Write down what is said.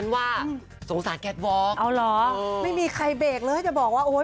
มันพาแฟนใหม่ไปเยอะให้เราด้วย